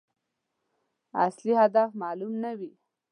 اصلي هدف معلوم نه وي.